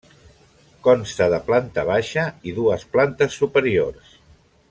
Consta de planta baixa i dues plantes superiors.